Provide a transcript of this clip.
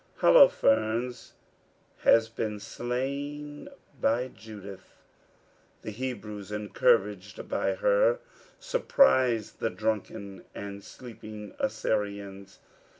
[Holofernes has been slain by Judith. The Hebrews, encouraged by her, surprise the drunken and sleeping Assyrians.